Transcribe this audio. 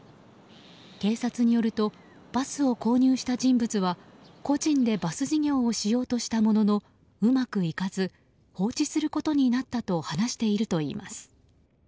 警察によるとバスを購入した人物は個人でバス事業をしようとしたもののうまくいかず、放置することになったと話しているといいます。